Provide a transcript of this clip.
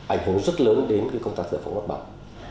ảnh hưởng rất lớn đến công tác giải phóng mặt bằng